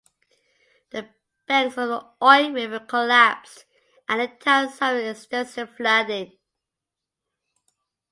The banks of the Oi River collapsed, and the town suffered extensive flooding.